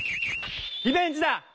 リベンジだ！